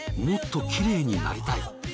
もっとキレイになりたい。